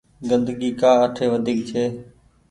گندگي ڪآ اٺي وڍيڪ ڇي۔